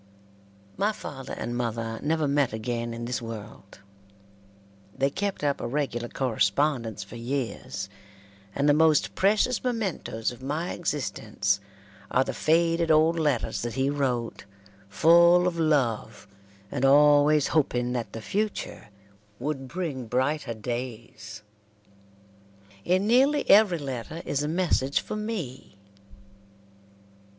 My father and mother never met again in this world. They kept up a regular correspondence for years, and the most precious mementoes of my existence are the faded old letters that he wrote, full of love, and always hoping that the future would bring brighter days. In nearly every letter is a message for me.